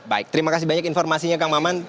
baik terima kasih banyak informasinya kang maman